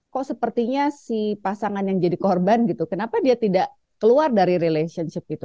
kok sepertinya si pasangan yang jadi korban gitu kenapa dia tidak keluar dari relationship itu